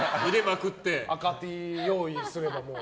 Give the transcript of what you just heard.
赤Ｔ用意すれば、もう。